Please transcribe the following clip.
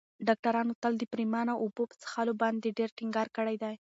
ډاکترانو تل د پرېمانه اوبو په څښلو باندې ډېر ټینګار کړی دی.